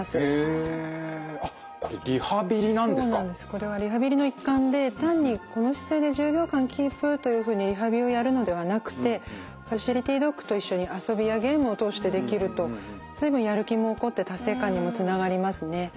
これはリハビリの一環で単にこの姿勢で１０秒間キープというふうにリハビリをやるのではなくてファシリティドッグと一緒に遊びやゲームを通してできると随分やる気も起こって達成感にもつながりますね。